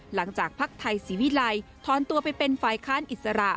หลังจากภาร์คไทยสิวิลัยถอนตัวไปเป็นฝ่ายค้านอิสระ